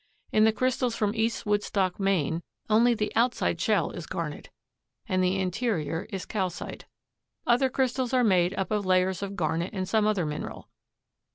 In the crystals from East Woodstock, Maine, only the outside shell is garnet and the interior is calcite. Other crystals are made up of layers of garnet and some other mineral.